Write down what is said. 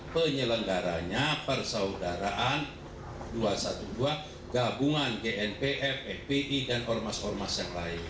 penyelenggaranya persaudaraan dua ratus dua belas gabungan gnpf fpi dan oe